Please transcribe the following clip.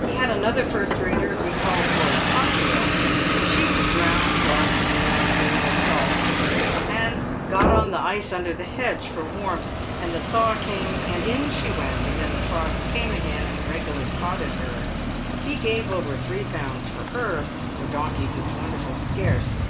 He had another first rater as we called Lord Cocktail, PAVED WITH GOLD. 173 but she was drowned last winter in the Vale of Health — got on the ice under the hedge for warmth, and the thaw came, and in she went, and then the frost came again, and regular potted her. He gave over 3£. for her, for donkeys is wonderful scarce.